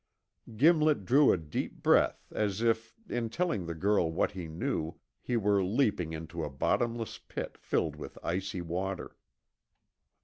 Gimlet drew a deep breath as if, in telling the girl what he knew, he were leaping into a bottomless pit filled with icy water.